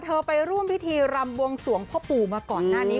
ไปร่วมพิธีรำบวงสวงพ่อปู่มาก่อนหน้านี้